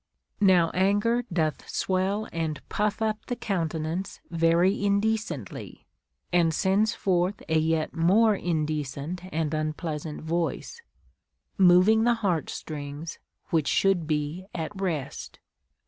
Now anger doth swell and puff up the countenance very in decently, and sends forth a yet more indecent and unpleasant voice, — Moving the heart strings, which should be at rest.